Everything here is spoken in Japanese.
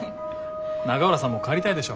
永浦さんも帰りたいでしょ？